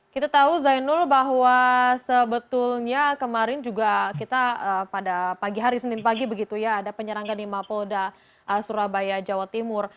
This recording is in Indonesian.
kita tahu zainul bahwa sebetulnya kemarin juga kita pada pagi hari senin pagi begitu ya ada penyerangan di mapolda surabaya jawa timur